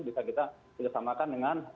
bisa kita tersamakan dengan